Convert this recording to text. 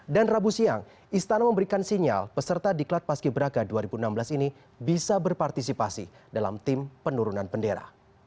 dan rabu siang istana memberikan sinyal peserta di klat paski braga dua ribu enam belas ini bisa berpartisipasi dalam tim penurunan bendera